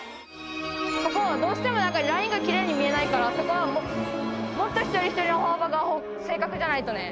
ここどうしても、ラインがきれいに見えないから、そこはもっと一人一人の歩幅が正確じゃないとね。